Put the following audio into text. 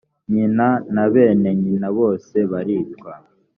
nyina na bene nyina bose baricwa